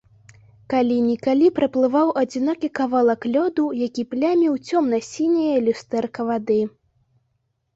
Калі-нікалі праплываў адзінокі кавалак лёду, які пляміў цёмна-сіняе люстэрка вады.